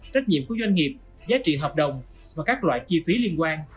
trách nhiệm của doanh nghiệp giá trị hợp đồng và các loại chi phí liên quan